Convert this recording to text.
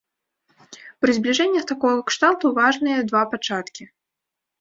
Пры збліжэннях такога кшталту важныя два пачаткі.